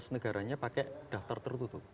negaranya pakai daftar tertutup